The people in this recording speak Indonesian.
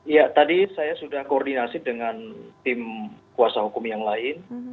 ya tadi saya sudah koordinasi dengan tim kuasa hukum yang lain